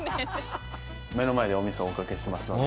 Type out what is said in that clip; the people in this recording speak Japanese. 目の前でお味噌をおかけしますので。